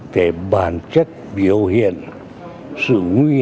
về bản chất biểu hiện sự nguy hiểm